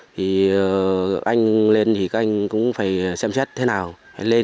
thì anh lên thì các anh cũng phải xem xét thế nào lên